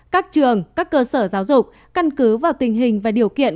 các trường các cơ sở giáo dục căn cứ vào tình hình và điều kiện